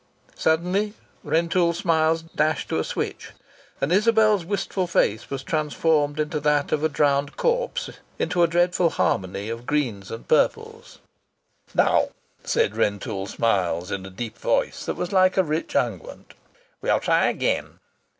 Suddenly Rentoul Smiles dashed to a switch, and Isabel's wistful face was transformed into that of a drowned corpse, into a dreadful harmony of greens and purples. "Now," said Rentoul Smiles, in a deep voice that was like a rich unguent, "we'll try again.